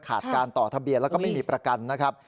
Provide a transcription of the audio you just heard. การต่อทะเบียนแล้วก็ไม่มีประกันนะครับ